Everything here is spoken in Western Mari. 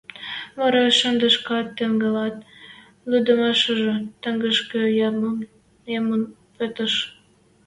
Вара шӹдешкӓш тӹнгалят, лӱдмӓшӹжӹ тагышкы ямын пӹтыш.